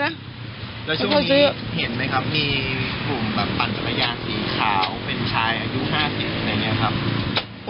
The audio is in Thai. แล้วช่วงนี้เห็นไหมครับมีกลุ่มแบบปั่นจักรยานสีขาวเป็นชายอายุ๕๐อะไรอย่างนี้ครับ